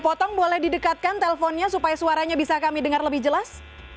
potong boleh didekatkan telponnya supaya suaranya bisa kami dengar lebih jelas